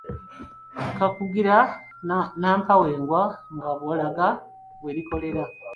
Kakugira nnampawengwa nga bw’olaga we likolera.